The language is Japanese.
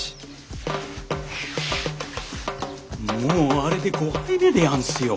もうあれで５杯目でやんすよ。